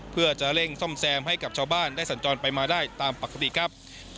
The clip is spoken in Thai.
เพื่อจะเร่งซ่อมแซมให้กับชาวบ้านได้สัญจรไปมาได้ตามปกติครับ